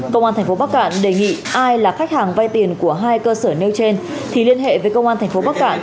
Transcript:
công an tp bắc cạn đề nghị ai là khách hàng vay tiền của hai cơ sở nêu trên thì liên hệ với công an tp bắc cạn